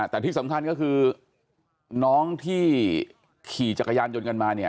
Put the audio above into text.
แต่ที่สำคัญก็คือน้องที่ขี่จักรยานยนต์กันมาเนี่ย